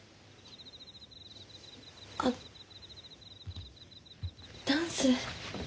あダンス。